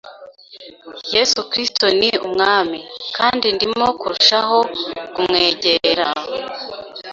Yesu Kristo ni Umwami, kandi ndimo kurushaho kumwegera,